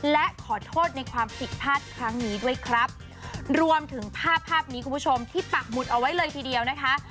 และขอโทษในความผิดพลาดครั้งนี้ด้วยครับรวมถึงภาพภาพนี้คุณผู้ชมที่ปักหมุดเอาไว้เลยทีเดียวนะคะ